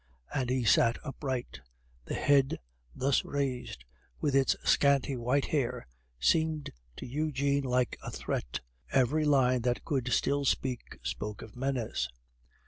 and he sat upright. The head thus raised, with its scanty white hair, seemed to Eugene like a threat; every line that could still speak spoke of menace.